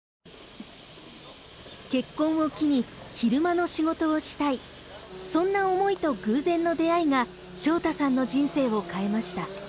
結婚を機に昼間の仕事をしたいそんな思いと偶然の出会いが匠太さんの人生を変えました。